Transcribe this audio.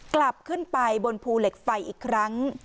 กลับขึ้นไปบนภูเหล็กไฟอีกครั้ง